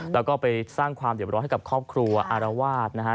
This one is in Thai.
แล้วก็ไปสร้างความเด็บร้อนให้กับครอบครัวอารวาสนะฮะ